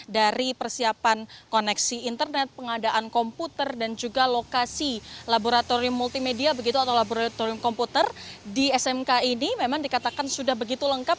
dari persiapan koneksi internet pengadaan komputer dan juga lokasi laboratorium multimedia begitu atau laboratorium komputer di smk ini memang dikatakan sudah begitu lengkap